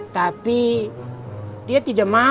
tapi dia tidak mau